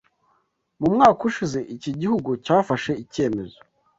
Mu mwaka ushize iki gihugu cyafashe icyemezo